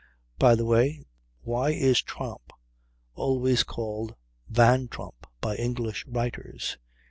By the way, why is Tromp always called Van Tromp by English writers?